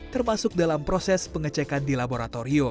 termasuk dalam proses pengecekan di laboratorium